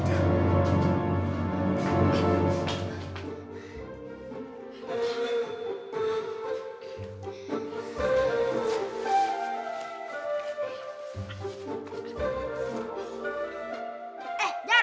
siap bapak fajar